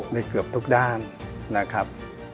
เกือบทุกด้านนะครับ